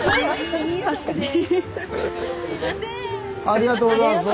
ありがとうございます。